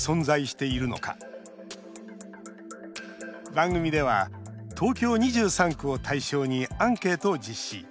番組では東京２３区を対象にアンケートを実施。